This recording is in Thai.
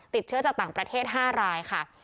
ติดเชื้อจากต่างประเทศ๕รายค่ะ